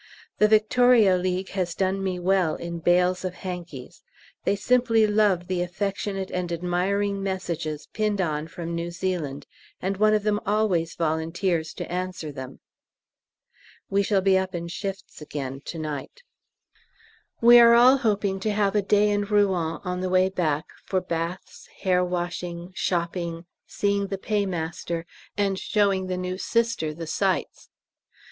The Victoria League has done me well in bales of hankies. They simply love the affectionate and admiring messages pinned on from New Zealand, and one of them always volunteers to answer them. We shall be up in shifts again to night. We are all hoping to have a day in Rouen on the way back, for baths, hair washing, shopping, seeing the Paymaster, and showing the new Sister the sights.